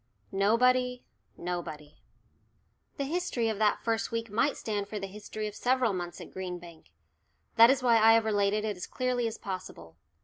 "NOBODY NOBODY." The history of that first week might stand for the history of several months at Green Bank. That is why I have related it as clearly as possible.